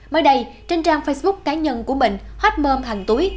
mới đây trên trang facebook cá nhân của mình hot mom hàng túi